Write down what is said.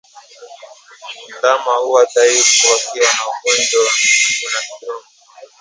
Ndama huwa dhaifu wakiwa na ugonjwa wa miguu na midomo